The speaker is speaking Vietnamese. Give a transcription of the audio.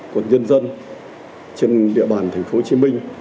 của nhân dân trên địa bàn thành phố hồ chí minh